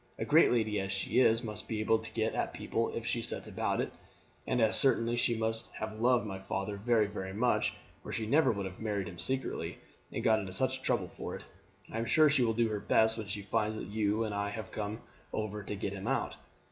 A great lady as she is must be able to get at people if she sets about it, and as certainly she must have loved my father very very much, or she never would have married him secretly, and got into such trouble for it. I am sure she will do her best when she finds that you and I have come over to get him out.